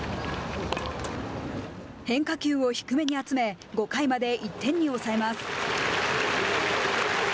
変化球を低めに集め５回まで１点に抑えます。